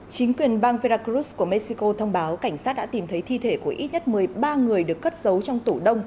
chính quyền bang veracruz của mexico thông báo cảnh sát đã tìm thấy thi thể của ít nhất một mươi ba người được cất giấu trong tủ đông